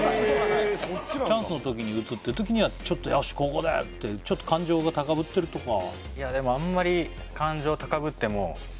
チャンスの時に打つっていう時にはちょっとよしここだよってちょっと感情が高ぶったりとかは？